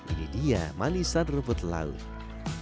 ini dia manisan rumput laut